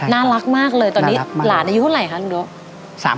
น่ารักมากเลยตอนนี้หลานอายุเท่าไหร่คะลุงโด